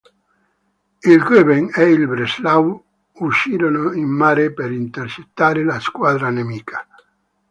Il "Goeben" ed il "Breslau" uscirono in mare per intercettare la squadra nemica.